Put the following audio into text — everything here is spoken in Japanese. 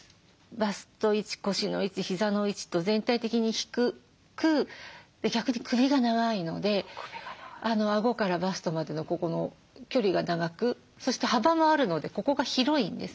バスト位置腰の位置膝の位置と全体的に低く逆に首が長いのであごからバストまでのここの距離が長くそして幅もあるのでここが広いんですね。